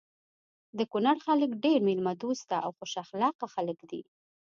د کونړ خلک ډير ميلمه دوسته او خوش اخلاقه خلک دي.